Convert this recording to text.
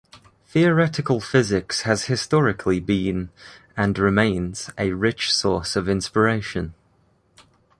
Theoretical physics has historically been, and remains, a rich source of inspiration.